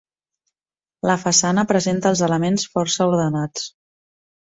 La façana presenta els elements força ordenats.